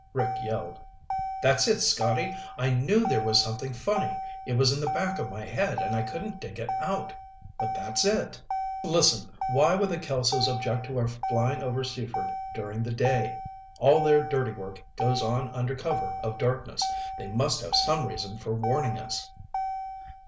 Rick yelled, "That's it! Scotty, I knew there was something funny. It was in the back of my head and I couldn't dig it out. But that's it! Listen, why would the Kelsos object to our flying over Seaford during the day? All their dirty work goes on under cover of darkness. They must have some reason for warning us!"